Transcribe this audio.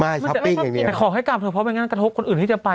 ไม่ช้อปปิ้งอย่างเงี้ยหรอแต่ขอให้กลับเถอะเพราะไม่งั้นกระทบคนอื่นที่จะไป